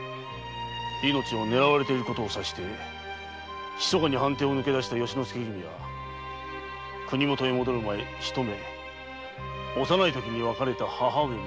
命をねらわれてる事を察してひそかに藩邸をぬけ出した由之助君は国元に戻る前ひと目幼い時に別れた母上に会いたいと。